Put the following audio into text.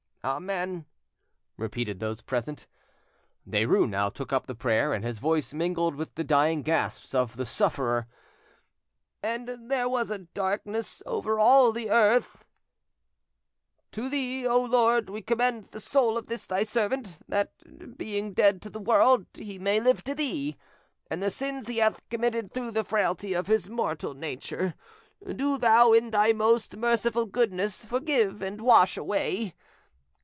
"Amen," repeated those present. Derues now took up the prayer, and his voice mingled with the dying gasps of the sufferer. "And there was a darkness over all the earth—— "To Thee, O Lord, we commend the soul of this Thy servant, that, being dead to the world, he may, live to Thee: and the sins he hath committed through the frailty of his mortal nature, do Thou in Thy most merciful goodness, forgive and wash away.